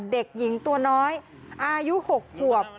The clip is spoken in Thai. เด็กหญิงตัวน้อยอายุ๖ขวบ